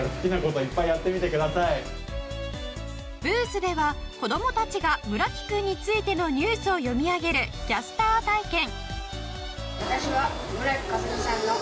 ブースでは子供たちが村木君についてのニュースを読み上げるキャスター体験。